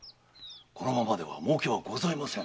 このままでは儲けはございません。